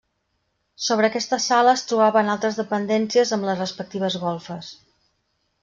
Sobre aquesta sala es trobaven altres dependències amb les respectives golfes.